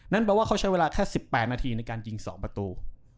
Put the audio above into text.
แปลว่าเขาใช้เวลาแค่๑๘นาทีในการยิง๒ประตู